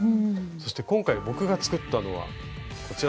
そして今回僕が作ったのはこちらの。